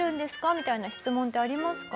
みたいな質問ってありますか？